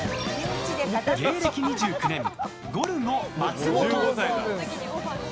芸歴２９年、ゴルゴ松本。